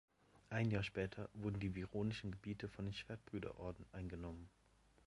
Ein Jahr später wurden die vironischen Gebiete von den Schwertbrüderorden eingenommen.